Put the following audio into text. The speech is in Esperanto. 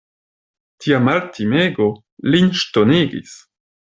Tia maltimego lin ŝtonigis.